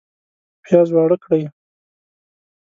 پیاز واړه کړئ